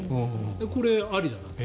これ、ありだなと。